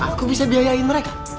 aku bisa biayain mereka